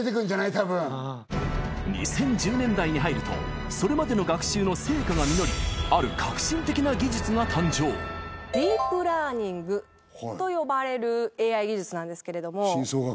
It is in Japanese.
多分。に入るとそれまでの学習の成果が実りある革新的な技術が誕生と呼ばれるＡＩ技術なんですけれども。